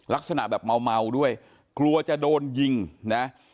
ลักษณะแบบเมาด้วยกลัวจะโดนยิงนะ